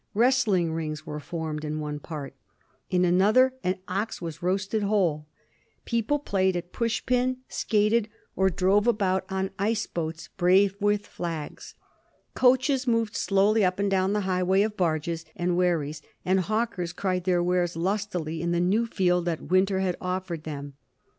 Wrestling rings were formed in one part ; in another an ox was roasted whole. People played at push pin, skated, or drove about on ice Digiti zed by Google 202 A HISTORY OF THE FOUR GEORGES. ob. ijl. boats brave with flags. Coaches moved slowly up and down the highway of barges and wherries, and hawkers cried their wares lustily in the new field that winter had offered them.